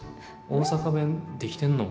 大阪弁できてんの？